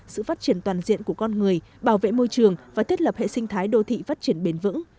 sự phát triển toàn diện của con người bảo vệ môi trường và thiết lập hệ sinh thái đô thị phát triển bền vững